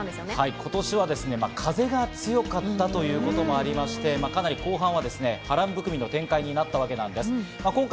今年は風が強かったということもありまして、かなり後半は波乱含みの展開になったわけなんです。